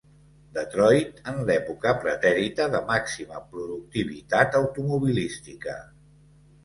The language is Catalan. Detroit en l'època pretèrita de màxima productivitat automobilística.